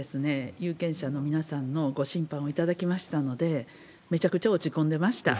有権者の皆さんのご心配をいただきましたので、めちゃくちゃ落ち込んでました。